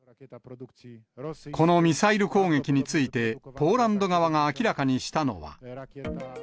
このミサイル攻撃について、ポーランド側が明らかにしたのは。